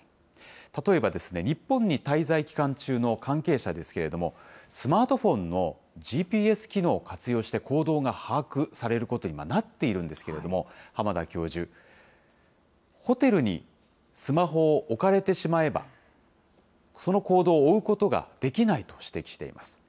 例えばですね、日本に滞在期間中の関係者ですけれども、スマートフォンのＧＰＳ機能を活用して、行動が把握されることに、今、なっているんですけれども、濱田教授、ホテルにスマホを置かれてしまえば、その行動を追うことができないと指摘しています。